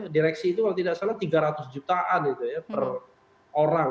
direksi itu kalau tidak salah rp tiga ratus per orang